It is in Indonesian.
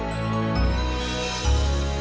poetotaisnyaartedaka sana tapi babanya bisa darication